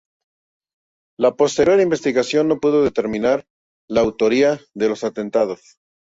La posterior investigación no pudo determinar la autoría de los atentados.